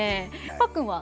パックンは？